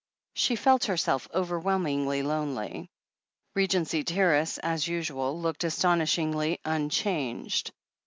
She felt herself overwhelmingly lonely. Regency Terrace, as usual, looked astonishingly un changed.